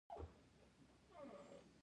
وسله د قلم مخ ته خنډ ده